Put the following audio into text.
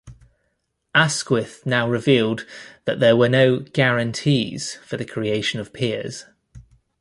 Asquith now revealed that there were no "guarantees" for the creation of peers.